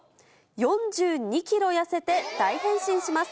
４２キロ痩せて大変身します。